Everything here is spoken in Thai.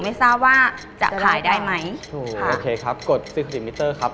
ไม่ทราบว่าจะขายได้ไหมโอเคครับกดครับ